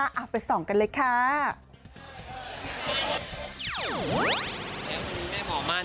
เอาไปส่องกันเลยค่ะ